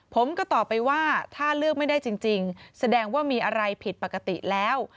ผมก็ตอบไปว่าถ้าเลือกไม่ได้จริงแสดงว่ามีอะไรผิดปกติแล้ว